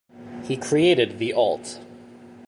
He created the alt.